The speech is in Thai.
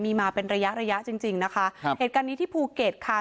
มีมาเป็นระยะจริงนะคะเหตุการณ์นี้ที่ภูเก็ตค่ะ